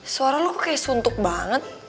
suara lo kayak suntuk banget